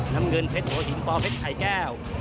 น้ำเงินเพ็ดโหวฮิ้มปลอเพ็ดไข่แก้ว